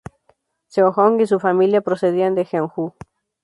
Sejong y su familia procedían de Jeonju.